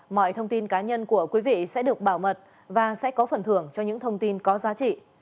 mọi thông tin cá nhân của quý vị sẽ được bảo mật và sẽ có phần thưởng cho những thông tin có giá trị